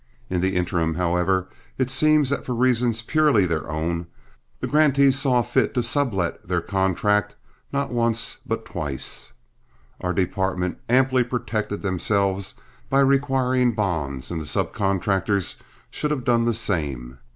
In the interim, however, it seems that for reasons purely their own, the grantees saw fit to sub let their contract, not once but twice. Our department amply protected themselves by requiring bonds, and the sub contractors should have done the same.